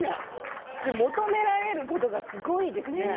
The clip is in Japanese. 求められることがすごいですね。